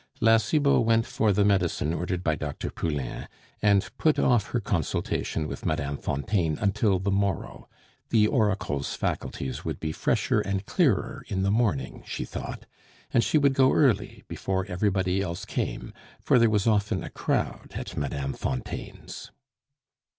La Cibot went for the medicine ordered by Dr. Poulain, and put off her consultation with Mme. Fontaine until the morrow; the oracle's faculties would be fresher and clearer in the morning, she thought; and she would go early, before everybody else came, for there was often a crowd at Mme. Fontaine's.